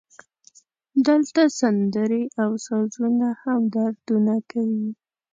دلته سندرې او سازونه هم دردونه کوي